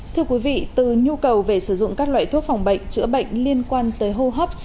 thưa quý vị từ nhu cầu về sử dụng các loại thuốc phòng bệnh chữa bệnh liên quan tới hô hấp